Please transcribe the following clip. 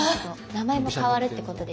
名前も変わるってことですね？